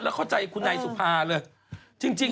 แล้วเข้าใจคุณนายสุภาเลยจริง